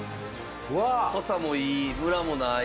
濃さもいいムラもない。